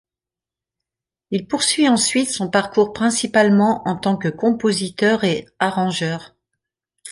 Il poursuit ensuite son parcours principalement en tant que compositeur et arrangeur.